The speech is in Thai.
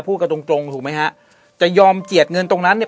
พูดกันตรงตรงถูกไหมฮะจะยอมเจียดเงินตรงนั้นเนี่ย